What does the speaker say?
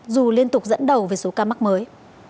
dù liên tục dẫn đầu về số ca mắc mới